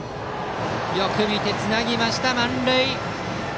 よく見てつなぎました満塁。